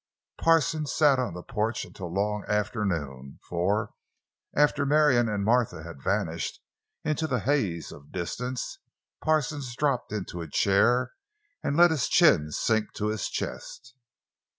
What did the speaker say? Parsons sat on the porch until long after noon; for, after Marion and Martha had vanished into the haze of distance, Parsons dropped into a chair and let his chin sink to his chest.